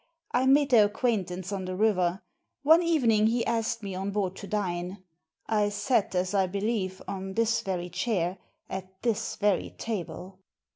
I made their acquaintance on the river. One evening he asked me on board to dine. I sat, as I believe, on this very chair, at this very table.